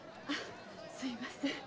すみません。